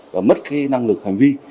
và mất cái năng lực hành vi